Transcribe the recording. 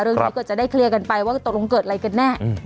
เรื่องนี้ก็จะได้เคลียร์กันไปว่าตกลงเกิดอะไรกันแน่